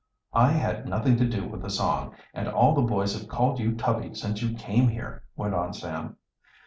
"I had nothing to do with the song, and all the boys have called you Tubby since you came here," went on Sam.